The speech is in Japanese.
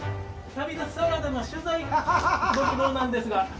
旅サラダの取材ご希望なんですが。